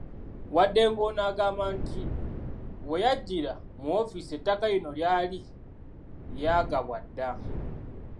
Wadde ng'ono agamba nti we yajjira mu woofiisi ettaka lino lyali lyagabwa dda